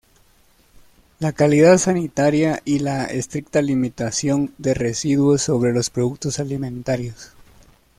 La calidad sanitaria y la estricta limitación de residuos sobre los productos alimentarios.